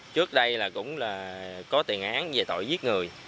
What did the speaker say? trước đây là cũng là có tiền án về tội giết người